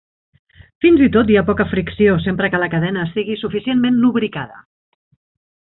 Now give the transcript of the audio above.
Fins i tot hi ha poca fricció, sempre que la cadena estigui suficientment lubricada.